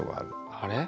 あれ？